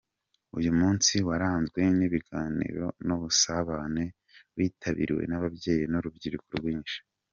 Uyu munsi waranzwe n’ibiganiro n’ubusabane, witabiriwe n’ababyeyi n’ urubyiruko rwinshi.